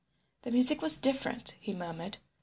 "The music was different," he murmured.